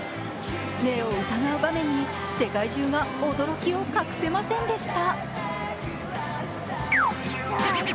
目を疑う場面に世界中が驚きを隠せませんでした。